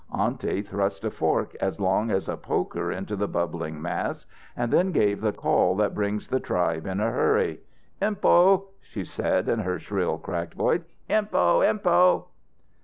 Aunty thrust a fork as long as a poker into the bubbling mass and then gave the call that brings the tribe in a hurry. "Empo!" she said in her shrill, cracked voice. "Empo! Empo!"